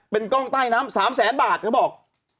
เป็นกล้องใต้น้ำ๓แสนบาทเขาบอก